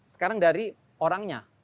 sekarang dari orangnya